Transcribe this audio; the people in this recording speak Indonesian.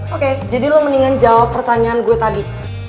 oke jadi lo mendingan jawab pertanyaan gue tadi